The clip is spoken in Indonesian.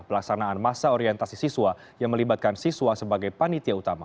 pelaksanaan masa orientasi siswa yang melibatkan siswa sebagai panitia utama